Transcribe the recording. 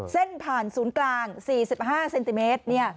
เส้นผ่านศูนย์กลาง๔๕เซนติเมตร